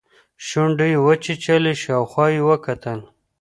شونډې يې وچيچلې شاوخوا يې وکتل.